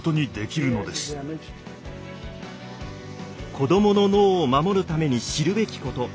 子どもの脳を守るために知るべきこと。